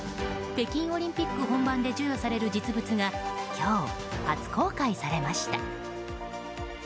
北京オリンピック本番で授与される実物が今日、初公開されました。